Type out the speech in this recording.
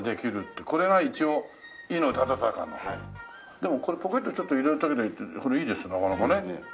でもこれポケットにちょっと入れるだけでいいってこれいいですなかなかね。